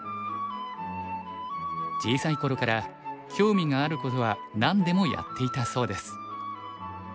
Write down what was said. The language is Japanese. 小さい頃から興味があることは何でもやっていたそうです。